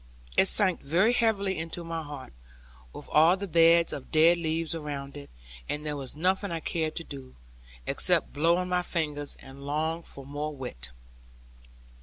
It sank very heavily into my heart, with all the beds of dead leaves around it, and there was nothing I cared to do, except blow on my fingers, and long for more wit.